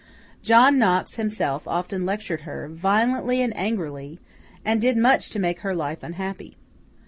John Knox himself often lectured her, violently and angrily, and did much to make her life unhappy.